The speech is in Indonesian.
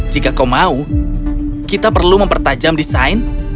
jika kau mau kita perlu mempertajam desain